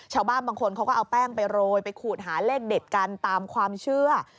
ชาวบ้านบางคนเขาก็เอาแป้งไปโรยไปขูดหาเลขเด็ดกันตามความเชื่อ